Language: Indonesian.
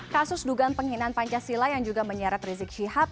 kasus dugaan penghinaan pancasila yang juga menyeret risikosidab